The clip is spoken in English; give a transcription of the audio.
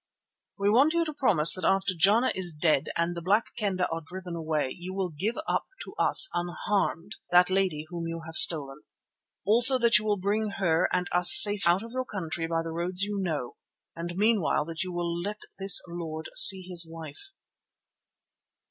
"We want you to promise that after Jana is dead and the Black Kendah are driven away, you will give up to us unharmed that lady whom you have stolen. Also that you will bring her and us safely out of your country by the roads you know, and meanwhile that you will let this lord see his wife."